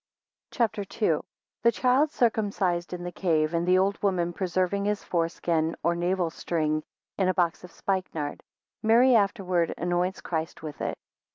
CHAP. II. 1 The child circumcised in the cave, 2 and the old woman preserving his foreskin or navel string in a box of spikenard, Mary afterwards anoints Christ with it.